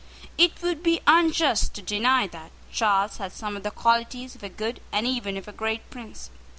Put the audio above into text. It would be unjust to deny that Charles had some of the qualities of a good, and even of a great prince.